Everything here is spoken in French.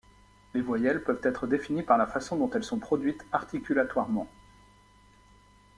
Les voyelles peuvent être définies par la façon dont elles sont produites articulatoirement.